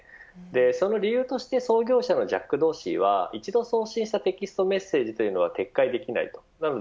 その理由として創業者のジャック・ドーシーは一度送信したテキストメッセージというのは撤回できない。